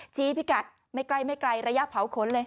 ชี้พิกัดไม่ไกลระยะเผาขนเลย